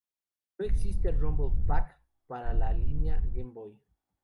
No existe Rumble Pak para la línea Game Boy.